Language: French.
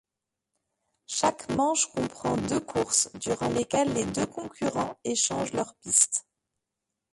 Chaque manche comprend deux courses, durant lesquelles les deux concurrents échangent leur piste.